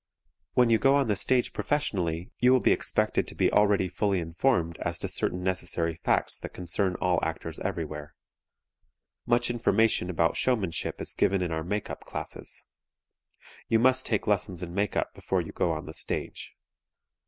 When you go on the stage professionally you will be expected to be already fully informed as to certain necessary facts that concern all actors everywhere. Much information about showmanship is given in our makeup classes. You must take lessons in makeup before you go on the stage.